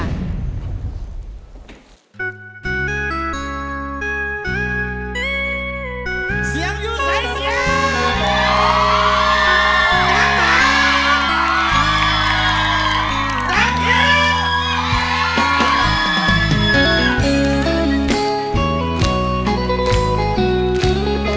เสียงอยู่สายเสียง